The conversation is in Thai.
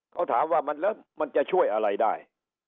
เขาถามว่าแล้วมันจะช่วยอะไรได้